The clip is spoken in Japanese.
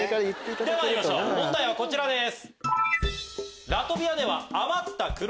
ではまいりましょう問題はこちらです。